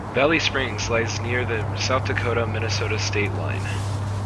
Valley Springs lies near the South Dakota-Minnesota state line.